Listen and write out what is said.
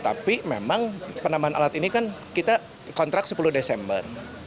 tapi memang penambahan alat ini kan kita kontrak sepuluh desember